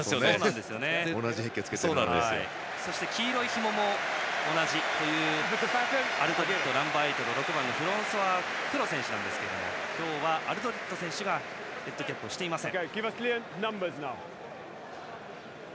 そして黄色いひもも同じというアルドリットナンバーエイトと６番の選手なんですが今日はアルドリット選手はヘッドキャップはしていません。